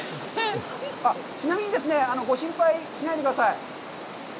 あっ、ちなみにですね、ご心配しないでください。